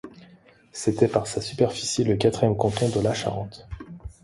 C'était par sa superficie le quatrième canton de la Charente.